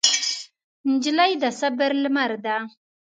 نجلۍ د صبر لمر ده.